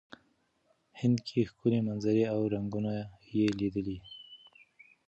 هند کې ښکلې منظرې او رنګونه یې لیدلي.